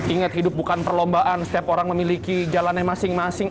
ingat hidup bukan perlombaan setiap orang memiliki jalannya masing masing